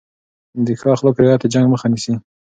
د ښو اخلاقو رعایت د جنګ مخه نیسي.